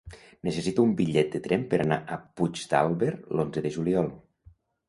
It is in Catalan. Necessito un bitllet de tren per anar a Puigdàlber l'onze de juliol.